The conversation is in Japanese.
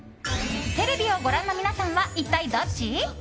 テレビをご覧の皆さんは一体どっち？